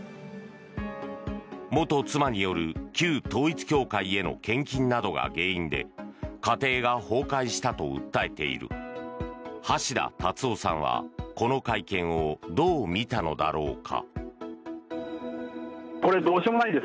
元妻による旧統一教会への献金などが原因で家庭が崩壊したと訴えている橋田達夫さんはこの会見をどう見たのだろうか。